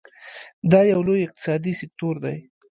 دا یو لوی اقتصادي سکتور دی.